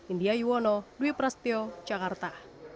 india yuwono dwi prasetyo jakarta